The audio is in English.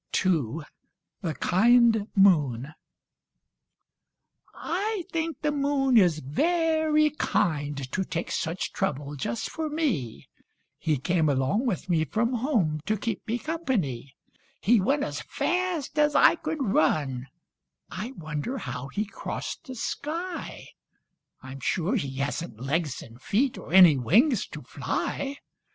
II The Kind Moon I think the moon is very kind To take such trouble just for me. He came along with me from home To keep me company. He went as fast as I could run; I wonder how he crossed the sky? I'm sure he hasn't legs and feet Or any wings to fly.